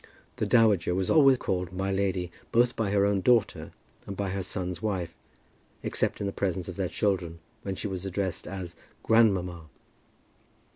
The dowager was always called "my lady," both by her own daughter and by her son's wife, except in the presence of their children, when she was addressed as "grandmamma."